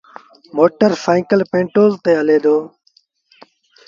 موٽر سآئيٚڪل پيٽرو تي هلي دو۔